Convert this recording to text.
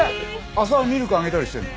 浅輪もミルクあげたりしてるの？